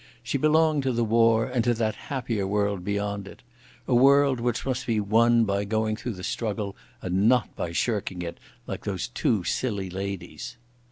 She belonged to the war, and to that happier world beyond it—a world which must be won by going through the struggle and not by shirking it, like those two silly ladies.